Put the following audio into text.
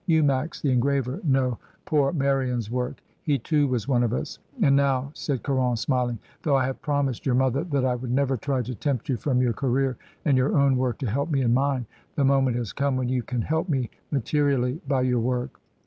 You, Max the engraver, know poor Meryon's work; he too was one of us. And now," said Caron smiling, "though I have promised your mother that I would never try to tempt you from your career and your own work to help me in mine, the moment has come when you can help me materially by your work.